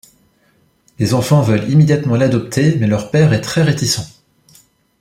Les enfants veulent immédiatement l'adopter mais leur père est très réticent.